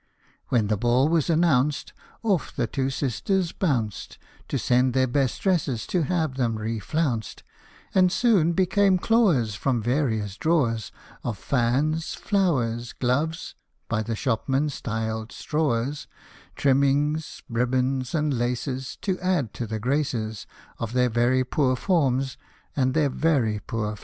] When the ball was announced, off the two sisters bounced To send their best dresses to have them re flounced, And soon became clawers from various drawers Of fans, flowers, gloves (by the shopman styled " strawers "), Trimmings, ribbons, and laces, to add to the graces Of their very poor forms and their very poor faces.